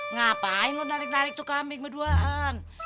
ngapain lo narik narik tuh kambing berduaan